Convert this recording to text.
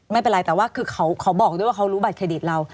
ไม่เป็นไรแต่ว่าคือเขาบอกด้วยว่าเขารู้บัตรเครดิตเรา